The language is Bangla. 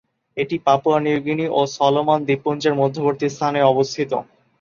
এটি পাপুয়া নিউগিনি এবং সলোমন দ্বীপপুঞ্জের মধ্যবর্তী স্থানে অবস্থিত।